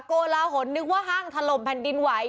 โกลาหลนึกว่าห้างถล่มแผ่นดินไหว